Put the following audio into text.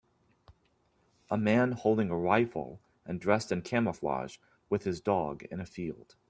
A man holding a rifle and dressed in camouflage with his dog in a field.